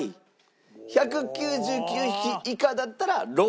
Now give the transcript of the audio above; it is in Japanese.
１９９匹以下だったらロー。